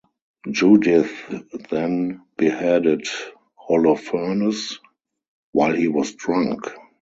Judith then beheaded Holofernes while he was drunk.